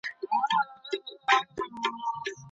ټولنه د رواني ناروغانو سره څه چلند کوي؟